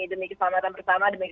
demi kesehatan bersama tentunya